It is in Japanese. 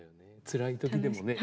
つらい時でもね。